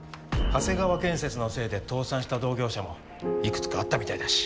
長谷川建設のせいで倒産した同業者もいくつかあったみたいだし。